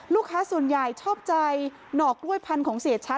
ลูกค้าส่วนใหญ่ชอบใจหน่อกล้วยพันธุ์ของเสียชัด